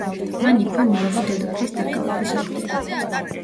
მან იქვე მიიღო დედოფლის დაკავების ორდერი.